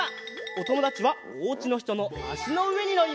おともだちはおうちのひとのあしのうえにのります。